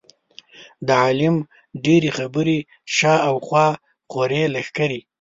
د عالم ډېرې خبرې شا او خوا خورې لښکرې.